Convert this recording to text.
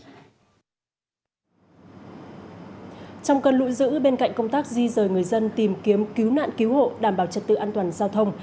trong cơn lũ dữ bên cạnh công tác di rời người dân tìm kiếm cứu nạn cứu hộ đảm bảo trật tự an toàn giao thông